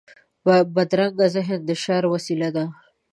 بدرنګه ذهن د شر وسيله ده